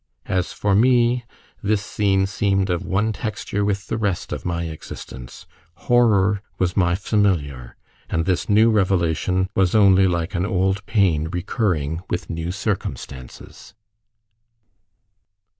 As for me, this scene seemed of one texture with the rest of my existence: horror was my familiar, and this new revelation was only like an old pain recurring with new circumstances.